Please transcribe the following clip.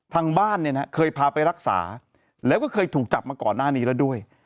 ทางบ้านเนี่ยนะเคยพาไปรักษาแล้วก็เคยถูกจับมาก่อนหน้านี้แล้วด้วย